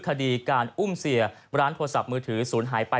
คดีการอุ้มเสียร้านโทรศัพท์มือถือศูนย์หายไป